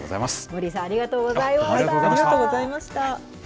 森井さん、ありがとうございました。